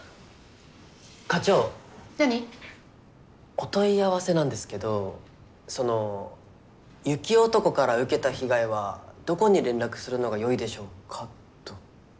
お問い合わせなんですけどその雪男から受けた被害はどこに連絡するのがよいでしょうかと。